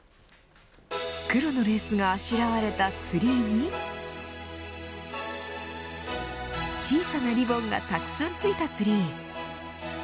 黒のレースがあしらわれたツリーに小さなリボンがたくさんついたツリー。